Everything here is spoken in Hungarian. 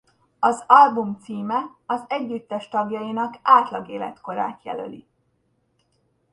Az album címe az együttes tagjainak átlag életkorát jelöli.